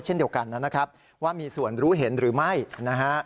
เช่นเดียวกันนะครับว่ามีส่วนรู้เห็นหรือไม่นะฮะ